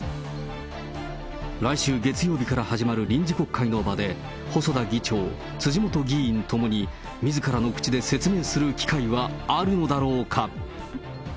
来週月曜日から始まる臨時国会の場で、細田議長、辻元議員ともにみずからの口で説明する機会はあるのだろうか。